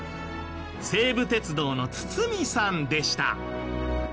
西武鉄道の堤さんでした。